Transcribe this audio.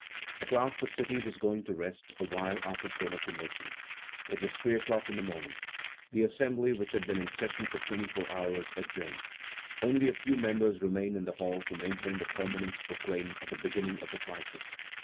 At last the city was going to rest a while after so much emotion! It was three o'clock in the morning. The Assembly, which had been in session for twenty four hours, adjourned. Only a few members remained in the hall to maintain the permanence proclaimed at the beginning of the crisis.